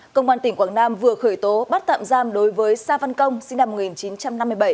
công an tỉnh quảng nam vừa khởi tố bắt tạm giam đối với sa văn công sinh năm một nghìn chín trăm năm mươi bảy